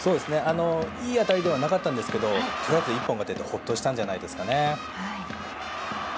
いい当たりではなかったんですがとりあえず一本が出てほっとしたんじゃないですかね。